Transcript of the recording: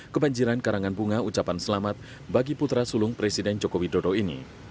kebanjiran karangan bunga ucapan selamat bagi putra sulung presiden joko widodo ini